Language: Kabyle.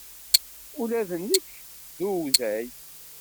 Ula d nekk d uday.